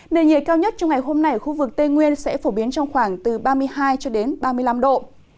nền nhiệt cao nhất trong ngày hôm nay ở khu vực tây nguyên sẽ phổ biến trong khoảng từ ba mươi hai cho đến ba mươi năm độ